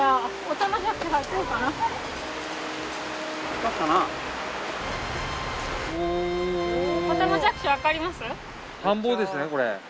田んぼですねこれ。